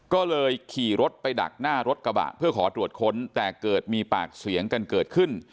ก็เลยขี่รถไปดักหน้ารถกระบะเพื่อขอตรวจค้นแต่เกิดมีปากเสียงกันเกิดขึ้น